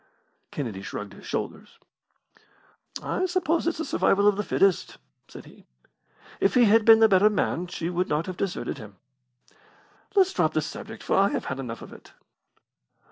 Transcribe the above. Kennedy shrugged his shoulders. "I suppose it is the survival of the fittest," said he. "If he had been the better man she would not have deserted him. Let's drop the subject, for I have had enough of it!"